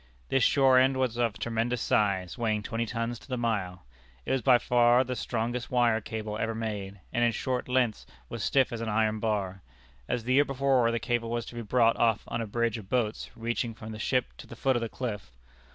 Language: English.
This shore end was of tremendous size, weighing twenty tons to the mile. It was by far the strongest wire cable ever made, and in short lengths was stiff as an iron bar. As the year before, the cable was to be brought off on a bridge of boats reaching from the ship to the foot of the cliff.